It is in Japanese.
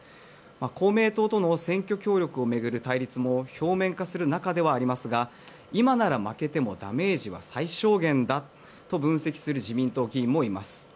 公明党との選挙協力を巡る対立も表面化する中ですが今なら負けてもダメージは最小限だと分析する自民党議員もいます。